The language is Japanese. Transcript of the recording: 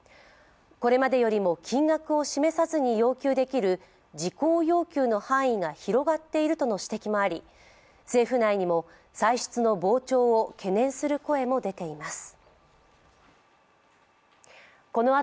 これまでよりも金額を示さずに要求できる事項要求の範囲が広がっているとの指摘もあり政府内にも歳出の膨張を懸念する声も出ています。